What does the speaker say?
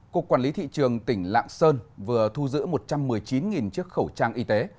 cục quản lý thị trường tỉnh lạng sơn vừa thu giữ một trăm một mươi chín chiếc khẩu trang y tế